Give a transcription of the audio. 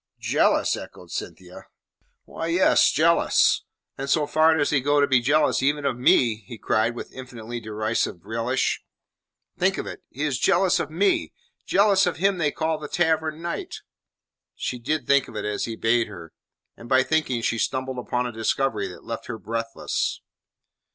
"Jealous?" echoed Cynthia. "Why, yes, jealous; and so far does he go as to be jealous even of me," he cried, with infinitely derisive relish. "Think of it he is jealous of me! Jealous of him they call the Tavern Knight!" She did think of it as he bade her. And by thinking she stumbled upon a discovery that left her breathless.